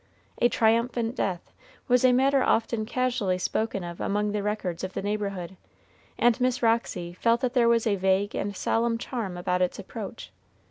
"A triumphant death" was a matter often casually spoken of among the records of the neighborhood; and Miss Roxy felt that there was a vague and solemn charm about its approach.